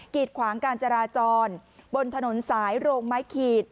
ีดขวางการจราจรบนถนนสายโรงไม้ขีด